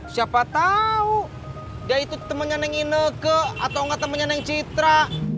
siapa tahu dia itu temen yang ineke atau enggak temen yang citra